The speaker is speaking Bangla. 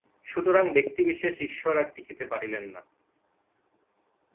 সুতরাং ব্যক্তিবিশেষ ঈশ্বর আর টিকিতে পারিলেন না।